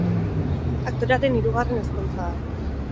Aktorearen hirugarren ezkontza da.